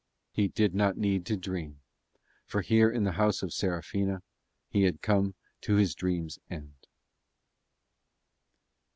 He did not need to dream, for here in the home of Serafina he had come to his dreams' end.